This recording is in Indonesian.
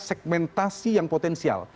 segmentasi yang potensial